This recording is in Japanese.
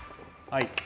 はい。